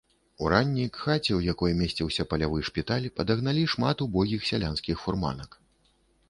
Уранні к хаце, у якой месціўся палявы шпіталь, падагналі шмат убогіх сялянскіх фурманак.